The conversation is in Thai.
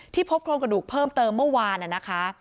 พบโครงกระดูกเพิ่มเติมเมื่อวานนะคะ